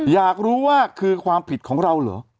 อยากรู้ว่าคือความผิดของเราเหรอ